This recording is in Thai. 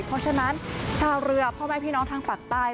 เพราะฉะนั้นชาวเรือพ่อแม่พี่น้องทางปากใต้